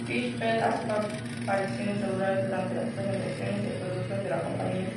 Phil Schiller hace apariciones regulares durante las presentaciones de productos de la compañía.